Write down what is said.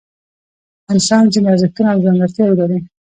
انسان ځینې ارزښتونه او ځانګړتیاوې لري.